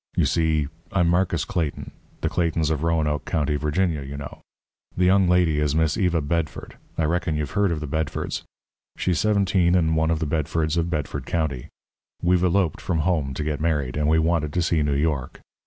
You see, I'm Marcus Clayton the Claytons of Roanoke County, Virginia, you know. The young lady is Miss Eva Bedford I reckon you've heard of the Bedfords. She's seventeen and one of the Bedfords of Bedford County. We've eloped from home to get married, and we wanted to see New York.